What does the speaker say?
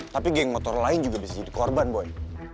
tapi geng motor lain juga bisa jadi korban boy